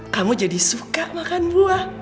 kamu jadi suka makan buah